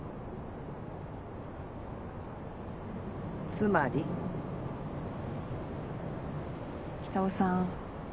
つまり？北尾さん